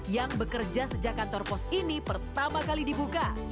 yang bekerja sejak kantor pos ini pertama kali dibuka